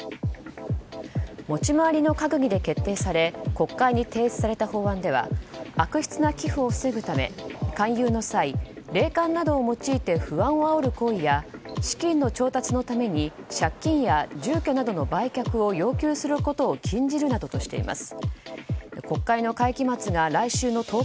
持ち回りの閣議で決定され国会に提出された法案では悪質な寄付を防ぐため、勧誘の際霊感などを用いて不安をあおる行為や資金の調達のために借金や住居などの売却を要求することを禁じるなどとしています。